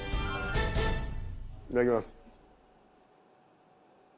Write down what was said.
いただきます。